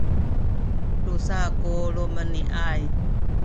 tusa ku lumeni’ay